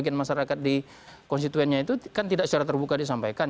sebagian masyarakat di konstituennya itu kan tidak secara terbuka disampaikan